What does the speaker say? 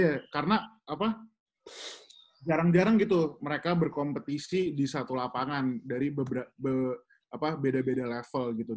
iya karena apa jarang jarang gitu mereka berkompetisi di satu lapangan dari beda beda level gitu